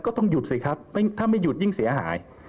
ก็ต้องหยุดสิครับถ้าไม่หยุดยิ่งเสียหาย